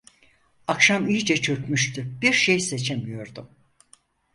Akşam iyice çökmüştü. Bir şey seçemiyordum.